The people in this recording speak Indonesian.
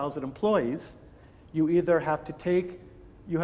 dan dengan sekitar empat belas pekerja